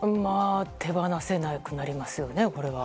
手放せなくなりますよね。